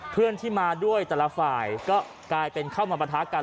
เพื่อนที่มาด้วยแต่ละฝ่ายก็กลายเป็นเข้ามาปะทะกัน